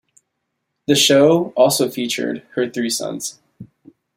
The show also featured her three sons.